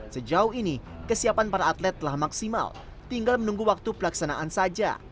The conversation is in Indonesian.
sejauh ini kesiapan para atlet telah maksimal tinggal menunggu waktu pelaksanaan saja